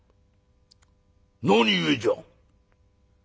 「何故じゃ？」。